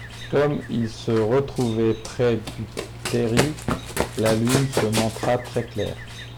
Comme il se retrouvait près du terri, la lune se montra très claire.